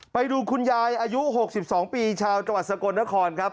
ไปดูคุณยายอายุ๖๒ปีชาวจังหวัดสกลนครครับ